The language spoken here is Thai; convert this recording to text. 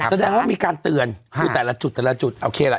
แสดงว่ามีการเตือนอยู่แต่ละจุดโอเคแหละ